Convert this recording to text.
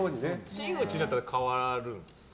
真打ちだったら変わるんですか。